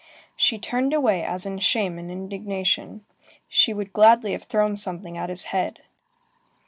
She turned away as in shame and indignation. She would gladly have thrown something at his head.